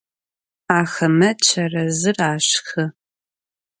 Axeme çerezır aşşxı.